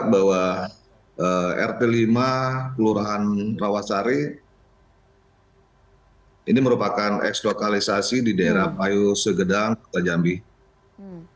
bahwa rt lima kelurahan rawasari ini merupakan eks lokalisasi di daerah payu segedang kota jambi